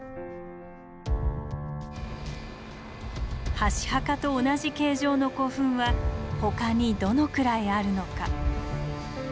箸墓と同じ形状の古墳は他にどのくらいあるのか。